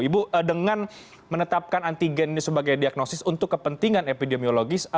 ibu dengan menetapkan antigen ini sebagai diagnosis untuk kepentingan epidemiologis